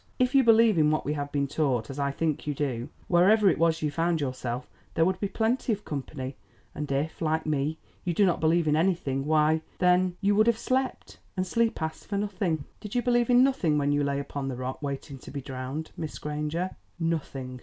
If you believe in what we have been taught, as I think you do, wherever it was you found yourself there would be plenty of company, and if, like me, you do not believe in anything, why, then, you would have slept, and sleep asks for nothing." "Did you believe in nothing when you lay upon the rock waiting to be drowned, Miss Granger?" "Nothing!"